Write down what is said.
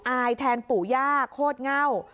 อายแทนปู่ย่าโคตรเง่า